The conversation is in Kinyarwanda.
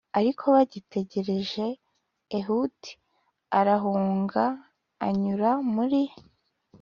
ariko bagitegereje ehudi arahunga anyura muri